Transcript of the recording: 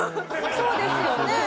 そうですね。